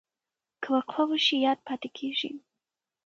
که وقفه وشي یاد پاتې کېږي.